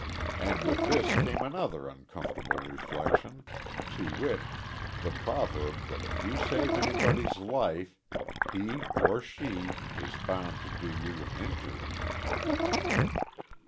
And with this came another uncomfortable reflection to wit, the proverb that if you save anybody's life, he or she is bound to do you an injury.